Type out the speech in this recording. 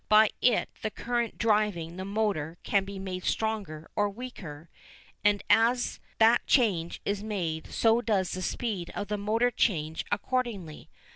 By it the current driving the motor can be made stronger or weaker, and as that change is made so does the speed of the motor change accordingly.